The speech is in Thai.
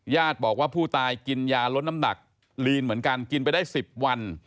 ญาติบอกว่าผู้ตายกินยาลดน้ำหนักลีนเหมือนกันกินไปได้๑๐วัน